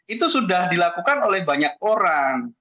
itu sudah dilakukan oleh banyak orang